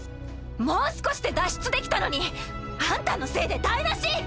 もう少しで脱出できたのにあんたのせいで台なし！